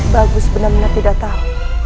bagus benar benar tidak tahu